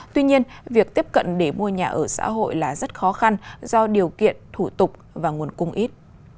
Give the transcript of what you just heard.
tuy nhiên việc tiếp cận để mua nhà ở xã hội là rất khó khăn do điều kiện thủ tục và nguồn cung ít